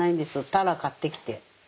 タラ買ってきて。